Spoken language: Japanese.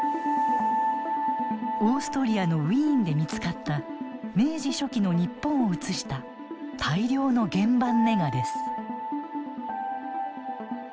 オーストリアのウィーンで見つかった明治初期の日本を写した大量の原板ネガです。